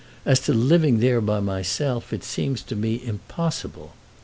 As to living there by myself, it seems to me to be impossible.